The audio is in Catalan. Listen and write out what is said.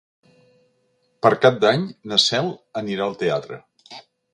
Per Cap d'Any na Cel anirà al teatre.